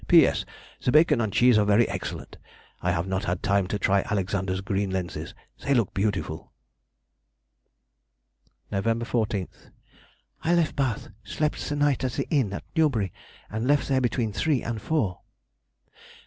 P.S.—The bacon and cheese are very excellent. I have not had time to try Alexander's green lenses; they look beautiful. [Sidenote: 1800 1801. Extracts from Diary.] Nov. 14th.—I left Bath, slept the night at the inn at Newbury, and left there between three and four.